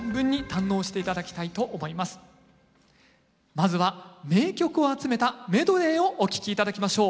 まずは名曲を集めたメドレーをお聴き頂きましょう。